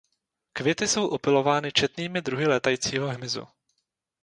Květy jsou opylovány četnými druhy létajícího hmyzu.